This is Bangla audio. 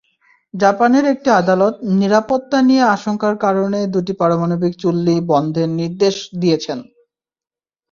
জাপানের একটি আদালত নিরাপত্তা নিয়ে আশঙ্কার কারণে দুটি পারমাণবিক চুল্লি বন্ধের নির্দেশ দিয়েছেন।